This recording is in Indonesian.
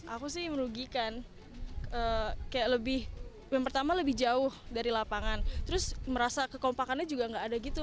aku sih merugikan kayak lebih yang pertama lebih jauh dari lapangan terus merasa kekompakannya juga nggak ada gitu